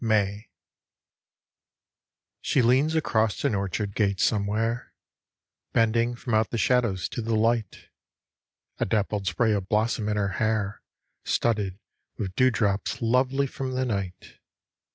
MAY She leans across an orchard gate somewhere, Bending from out the shadows to the light, A dappled spray of blossom in her hair Studded with dew drops lovely from the night.